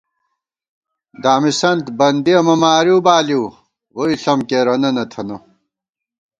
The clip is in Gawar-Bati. دامِسنت بندِیَہ مہ مارِؤ بالِؤ ، ووئی ݪم کېرَنہ نہ تھنہ